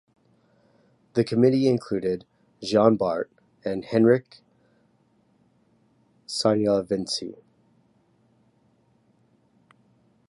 The committee included Jean Bart and Henric Sanielevici.